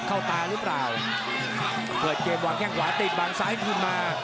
เข้าตาหรือเปล่าเกมว่าแค่งหวาติดบันซ้ายทิ้งมา